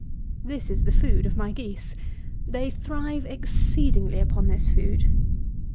This is the food of my geese. They thrive exceedingly upon this food.